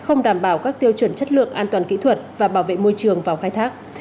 không đảm bảo các tiêu chuẩn chất lượng an toàn kỹ thuật và bảo vệ môi trường vào khai thác